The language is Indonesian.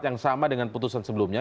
yang sama dengan putusan sebelumnya